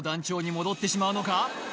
戻ってしまうのか？